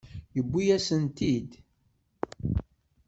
Yewwi-yas-tent-id.